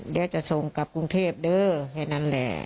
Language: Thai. เดี๋ยวจะส่งกลับกรุงเทพเด้อแค่นั้นแหละ